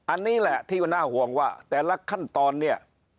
อันนี้แหละที่น่าห่วงว่าแต่ละขั้นตอนเนี่ย